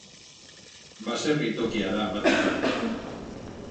Baserri tokia da, batik bat.